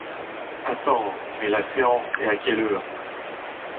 Attends mais la séance est à quelle heure ?